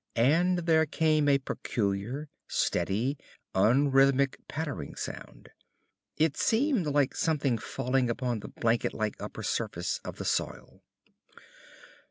And there came a peculiar, steady, unrhythmic pattering sound. It seemed like something falling upon the blanket like upper surface of the soil.